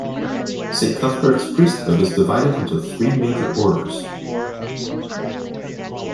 Saint Cuthbert's priesthood is divided into three major orders.